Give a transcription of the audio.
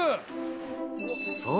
［そう。